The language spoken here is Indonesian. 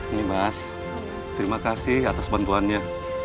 nimas terima kasih atas bantuan nya